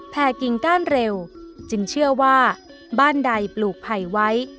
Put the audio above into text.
กิ่งก้านเร็วจึงเชื่อว่าบ้านใดปลูกไผ่ไว้